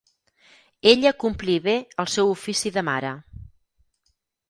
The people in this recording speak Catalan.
Ella complí bé el seu ofici de mare.